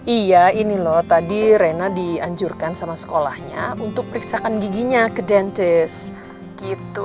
iya ini loh tadi rena dianjurkan sama sekolahnya untuk periksakan giginya ke dentes gitu